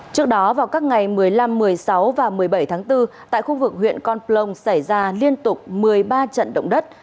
trước đó vào các ngày một mươi năm một mươi sáu và một mươi bảy tháng bốn tại khu vực huyện con plong xảy ra liên tục một mươi ba trận động đất